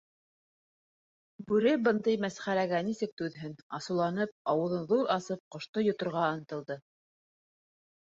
Бүре бындай мәсхәрәгә нисек түҙһен, асыуланып, ауыҙын ҙур асып ҡошто йоторға ынтылды.